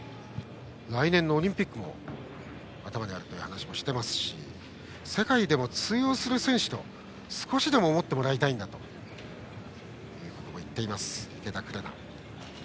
来年のオリンピックも頭にあるという話をしていますし世界でも通用する選手だと少しでも思ってもらいたいと言っています、池田紅。